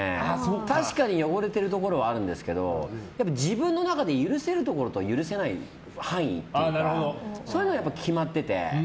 確かに汚れてるところはあるんですけど自分の中で許せるところと許せない範囲というかそういうのは決まってて。